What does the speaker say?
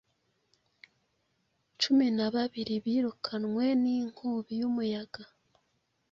cumi na babiri birukanwe ninkubi y'umuyaga